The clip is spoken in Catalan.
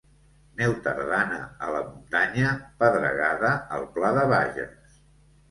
Neu tardana a la muntanya, pedregada al pla de Bages.